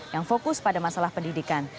yang fokus pada masalah pendidikan